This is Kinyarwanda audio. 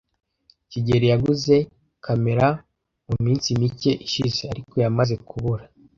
kigeli yaguze kamera muminsi mike ishize, ariko yamaze kubura.